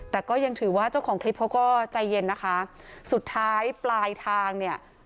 แต่ก็ยังถือว่าเจ้าของคลิปเขาก็ใจเย็นนะคะสุดท้ายปลายทางเนี่ย